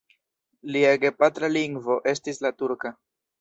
Lia gepatra lingvo estis la turka.